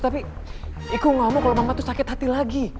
tapi aku gak mau kalau mama sakit hati lagi